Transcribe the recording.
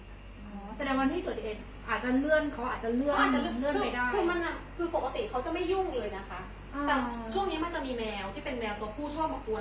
อ๋อแสดงว่าที่ตัวตัวเอง